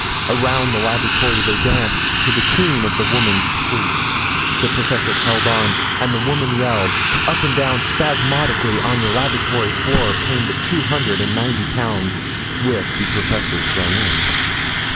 Around the laboratory they danced to the tune of the woman's shrieks. The professor held on, and the woman yelled. Up and down spasmodically on the laboratory floor came the two hundred and ninety pounds with the professor thrown in.